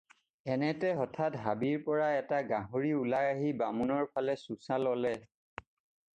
এনেতে হঠাৎ হাবিৰপৰা এটা গাহৰি ওলাই আহি বামুণৰ ফালে চোঁচা ল'লে।